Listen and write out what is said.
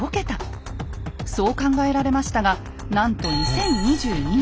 そう考えられましたがなんと２０２２年。